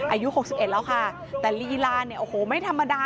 อายุ๖๑แล้วค่ะแต่ลีลาเนี่ยโอ้โหไม่ธรรมดา